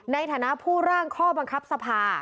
ในฐานะผู้ร่างข้อบังคับสภา